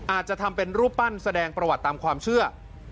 อาจจะทำเป็นรูปปั้นแสดงประวัติตามความเชื่อ